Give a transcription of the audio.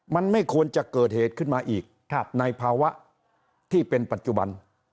มันไม่ควรจะเกิดเหตุขึ้นมาอีกในภาวะที่เป็นปัจจุบัน